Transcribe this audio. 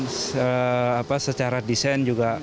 apa selain harga dan secara desain juga